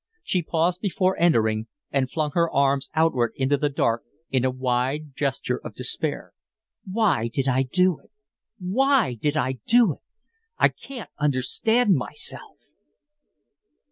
She paused before entering and flung her arms outward into the dark in a wide gesture of despair. "Why did I do it? Oh! WHY did I do it? I can't understand myself."